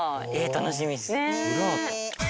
楽しみです。